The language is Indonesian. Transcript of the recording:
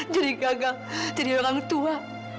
jadi gagal jadi orang tua